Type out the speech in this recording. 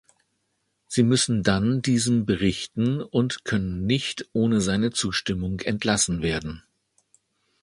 Sie müssen dann diesem berichten und können nicht ohne seine Zustimmung entlassen werden.